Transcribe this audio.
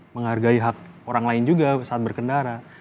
menghargai hak orang lain juga saat berkendara